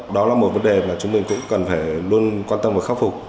đó là một vấn đề mà chúng mình cũng cần phải luôn quan tâm và khắc phục